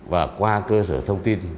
và qua cơ sở thông tin